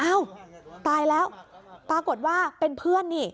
ตายแล้วปรากฏว่าเป็นเพื่อนนี่